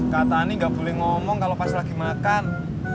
kak tani nggak boleh ngomong kalau pas lagi makan